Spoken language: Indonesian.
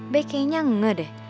beke nya nge deh